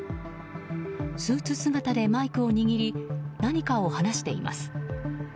スーツ姿でマイクを握り何かを話しています。